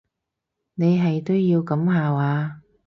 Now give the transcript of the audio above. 你係都要噉下話？